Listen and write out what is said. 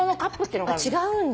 違うんだ。